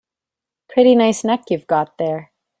Pretty nice neck you've got there.